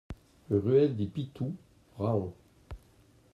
Ruelle des Pitoux, Rahon